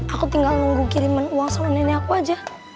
aku tinggal nunggu kiriman uang sama nenek aku aja